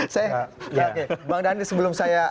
saya bang dhani sebelum saya